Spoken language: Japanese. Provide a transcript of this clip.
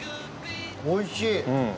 おいしい。